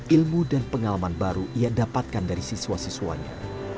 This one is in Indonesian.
ilmu dan pengalaman baru ia dapatkan dari siswa siswanya